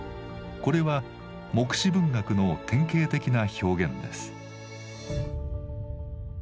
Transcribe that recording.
これは黙示文学の典型的な表現です。